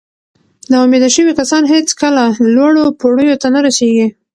ناامیده شوي کسان هیڅکله لوړو پوړیو ته نه رسېږي.